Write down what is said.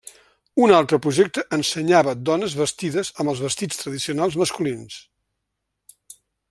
Un altre projecte ensenyava dones vestides amb els vestits tradicionals masculins.